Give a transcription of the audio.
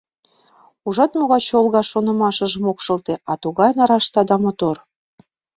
Ужат, могай чолга, шонымыжым ок шылте, а тугай нарашта да мотор.